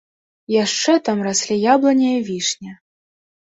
Яшчэ там раслі яблыня і вішня.